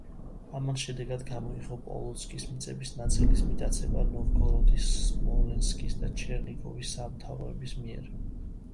ამან შედეგად გამოიღო პოლოცკის მიწების ნაწილის მიტაცება ნოვგოროდის, სმოლენსკის და ჩერნიგოვის სამთავროების მიერ.